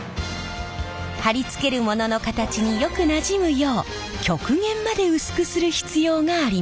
貼り付けるものの形によくなじむよう極限まで薄くする必要があります。